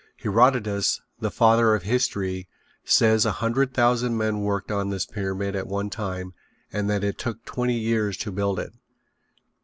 Heroditus, the Father of History, says a hundred thousand men worked on this pyramid at one time and that it took twenty years to build it.